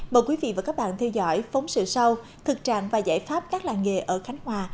mời quý vị và các bạn theo dõi phóng sự sau thực trạng và giải pháp các làng nghề ở khánh hòa